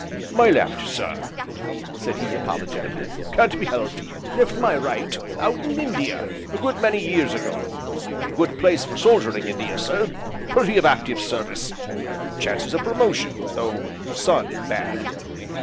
"My left, sir," said he apologetically, "can't be helped left my right out in India a good many years ago. Good place for soldiering, India, sir plenty of active service chances of promotion though sun bad!"